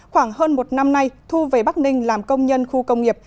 khoảng hơn một năm nay thu về bắc ninh làm công nhân khu công nghiệp